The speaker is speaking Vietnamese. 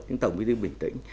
nhưng tổng bí thư bình tĩnh